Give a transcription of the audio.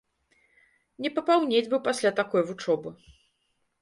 Не папаўнець бы пасля такой вучобы.